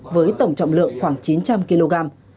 với tổng trọng lượng khoảng chín trăm linh kg